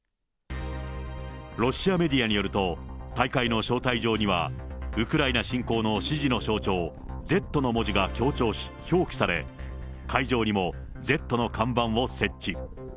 ロシアメディアによると、大会の招待状にはウクライナ侵攻の支持の象徴、Ｚの文字が強調し、表記され、会場にもＺの看板を設置。